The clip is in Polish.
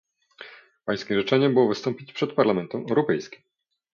Pańskim życzeniem było wystąpić przez Parlamentem Europejskim